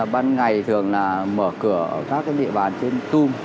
bạn ngày thường là mở cửa ở các cái địa bàn trên tung